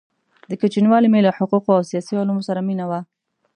د كوچنیوالي مي له حقو قو او سیاسي علومو سره مینه وه؛